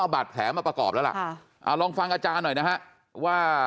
บาดแผลมาประกอบแล้วล่ะลองฟังอาจารย์หน่อยนะฮะว่า